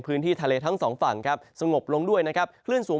พื้นที่ทะเลทั้งสองฝั่งครับสงบลงด้วยนะครับคลื่นสูง